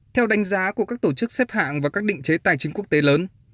theo đánh giá của các tổ chức xếp hạng và các định chế tài chính quốc tế lớn